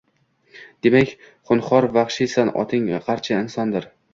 Demak, xunxor vaxshiysan, oting garchi Insondir!